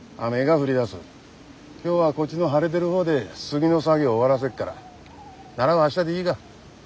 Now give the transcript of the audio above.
今日はこっちの晴れでる方でスギの作業終わらせっからナラは明日でいいが？